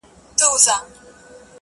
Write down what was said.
زړه مي د اشنا په لاس کي وليدی~